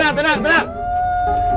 sudah sudah sudah tenang tenang tenang